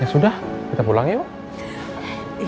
ya sudah kita pulang yuk